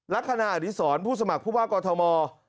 ลักษณะอดีศรผู้สมัครผู้ว่ากอทม